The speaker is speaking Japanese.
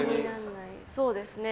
そうですね。